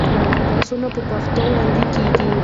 درسونه په پښتو وړاندې کېږي.